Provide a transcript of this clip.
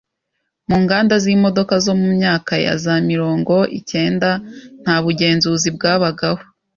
Mu nganda z’imodoka zo mu myaka ya za mirongo icyenda ntabugenzuzi bwabagaho.